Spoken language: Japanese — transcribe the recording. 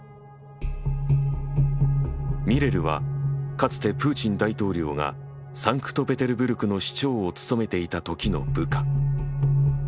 ミレルはかつてプーチン大統領がサンクトペテルブルクの市長を務めていたときの部下。